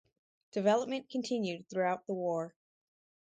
Development continued throughout the war.